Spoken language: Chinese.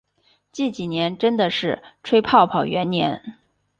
近几年真的都是吹泡泡元年